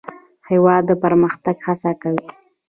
هېواد د پرمختګ هڅه کوي.